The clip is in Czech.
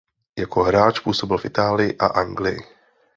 Jako hráč působil v Itálii a Anglii.